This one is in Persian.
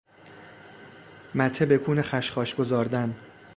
مته بکون خشخاش گذاردن